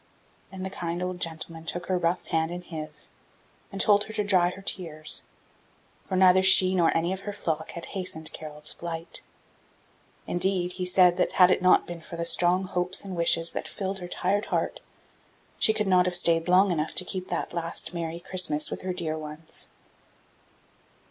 Then the kind old gentleman took her rough hand in his and told her to dry her tears, for neither she nor any of her flock had hastened Carol's flight indeed, he said that had it not been for the strong hopes and wishes that filled her tired heart, she could not have stayed long enough to keep that last merry Christmas with her dear ones.